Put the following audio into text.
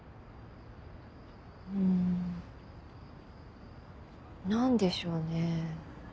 うん。何でしょうね。